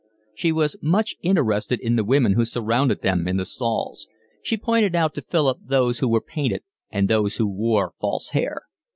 She was much interested in the women who surrounded them in the stalls. She pointed out to Philip those who were painted and those who wore false hair.